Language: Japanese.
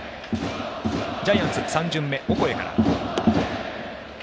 ジャイアンツ、３巡目オコエから。